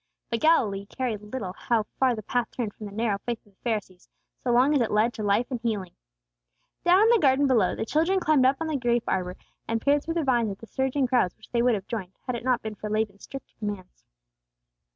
But Galilee cared little how far the path turned from the narrow faith of the Pharisees, so long as it led to life and healing. Down in the garden below, the children climbed up on the grape arbor, and peered through the vines at the surging crowds which they would have joined, had it not been for Laban's strict commands.